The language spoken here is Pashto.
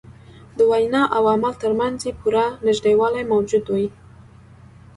د وینا او عمل تر منځ یې پوره نژدېوالی موجود وي.